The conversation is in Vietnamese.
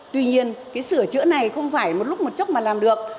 tuy nhiên cái sửa chữa này không phải một lúc một chốt mà làm được